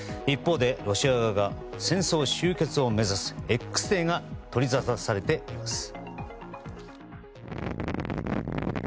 一方で、ロシア側が戦争終結を目指すＸデーが取りざたされています。